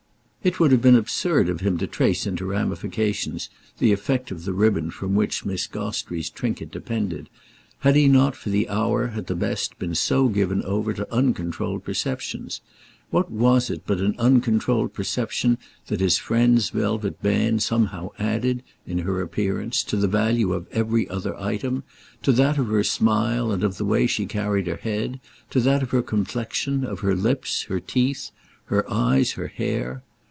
It would have been absurd of him to trace into ramifications the effect of the ribbon from which Miss Gostrey's trinket depended, had he not for the hour, at the best, been so given over to uncontrolled perceptions. What was it but an uncontrolled perception that his friend's velvet band somehow added, in her appearance, to the value of every other item—to that of her smile and of the way she carried her head, to that of her complexion, of her lips, her teeth, her eyes, her hair?